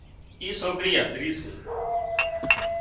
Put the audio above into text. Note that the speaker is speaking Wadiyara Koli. اي سوڪرِي هڌري سي